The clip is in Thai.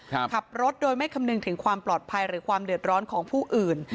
ขับรถโดยไม่คำนึงถึงความปลอดภัยหรือความเดือดร้อนของผู้อื่น